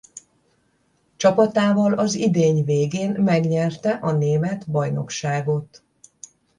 Csapatával az idény végén megnyerte a német bajnokságot.